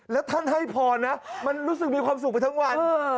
แล้วท่านให้พรนะมันรู้สึกมีความสุขไปทั้งวัน